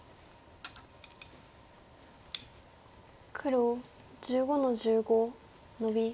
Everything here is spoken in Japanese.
黒１５の十五ノビ。